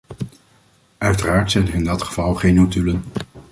Uiteraard zijn er in dat geval geen notulen.